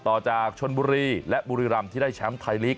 ต่อจากชนบุรีและบุรีรำที่ได้แชมป์ไทยลีก